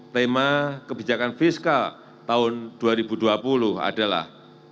tema kebijakan fiskal tahun dua ribu dua puluh adalah